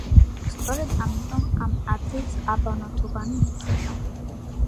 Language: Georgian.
სწორედ ამიტომ, ამ ადგილს აბანოთუბანი ეწოდა.